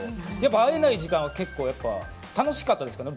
会えない時間は楽しかったですね